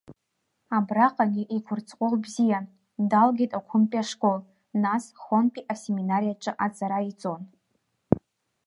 Абраҟагьы игәырҵҟәыл бзиан, далгеит Оқәымтәи ашкол, нас Хонтәи асеминариаҿы аҵара иҵон.